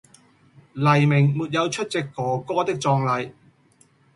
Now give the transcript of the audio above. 黎明沒有出席“哥哥”的葬禮